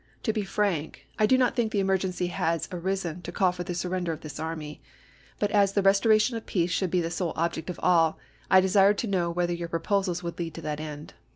To be frank, I do not think the emergency has arisen to call for the surrender of this army; but as the restoration of peace should be the sole object of all, I desired to know whether your pro posals would lead to that end.